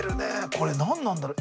これ何なんだろう？